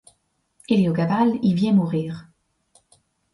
Héliogabale y vient mourir.